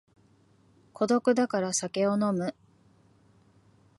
孤独だから酒を飲む